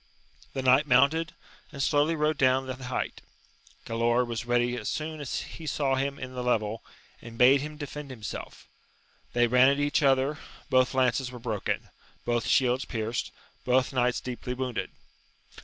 The knight mounted, and slowly rode down the height. Galaor was ready as soon as he saw him in the level, and bade him defend himself : they ran at each other; both lances were broken, both shields pierced, both knights deeply wounded.